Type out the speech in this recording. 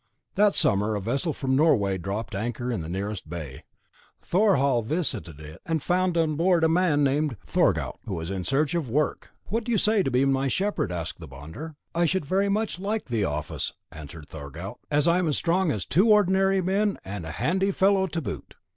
That summer a vessel from Norway dropped anchor in the nearest bay. Thorhall visited it, and found on board a man named Thorgaut, who was in search of work. "What do you say to being my shepherd?" asked the bonder. "I should very much like the office," answered Thorgaut. "I am as strong as two ordinary men, and a handy fellow to boot."